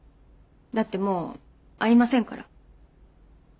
だってもう会いませんから。